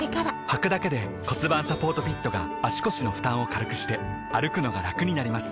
はくだけで骨盤サポートフィットが腰の負担を軽くして歩くのがラクになります